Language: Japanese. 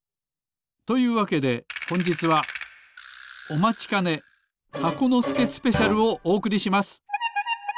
というわけでほんじつはおまちかね「箱のすけスペシャル」をおおくりします。